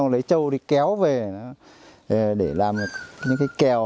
sau đó lấy trâu đi kéo về để làm những cái kèo